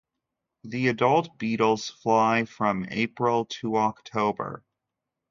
The adult beetles fly from April to October.